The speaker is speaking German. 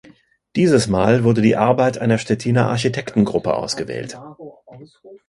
Dieses Mal wurde die Arbeit einer Stettiner Architektengruppe ausgewählt.